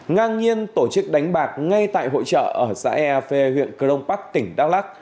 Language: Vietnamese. ngang nhiên tổ chức đánh bạc ngay tại hội trợ ở xã ea phê huyện cờ đông bắc tỉnh đăng lắc